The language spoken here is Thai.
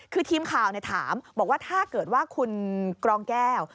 คือทีมข่าวถามบอกว่าถ้าเกิดว่าคุณกรองแก้ว